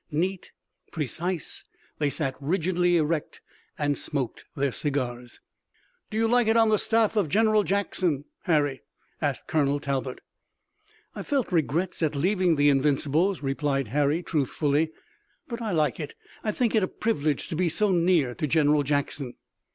Neat, precise, they sat rigidly erect, and smoked their cigars. "Do you like it on the staff of General Jackson, Harry," asked Colonel Talbot. "I felt regrets at leaving the Invincibles," replied Harry truthfully, "but I like it. I think it a privilege to be so near to General Jackson."